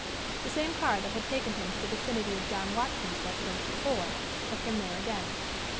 The same car that had taken him to the vicinity of John Watkins' residence before, took him there again.